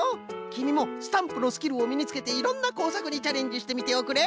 きみもスタンプのスキルをみにつけていろんなこうさくにチャレンジしてみておくれ。